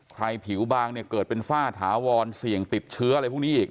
ผิวบางเนี่ยเกิดเป็นฝ้าถาวรเสี่ยงติดเชื้ออะไรพวกนี้อีก